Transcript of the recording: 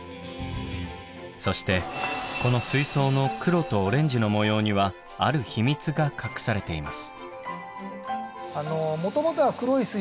そしてこの水槽の黒とオレンジの模様にはある秘密が隠されています。